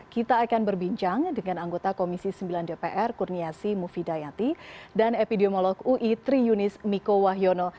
kita akan berbincang dengan anggota komisi sembilan dpr kurniasi mufidayati dan epidemiolog ui tri yunis miko wahyono